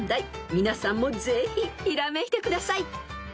皆さんもぜひひらめいてください］